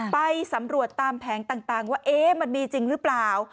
ไปสำรวจตามแผงต่างว่ามันมีจริงหรือเปล่า